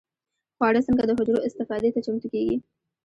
خواړه څنګه د حجرو استفادې ته چمتو کېږي؟